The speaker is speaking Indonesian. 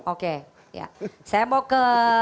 oke saya mau ke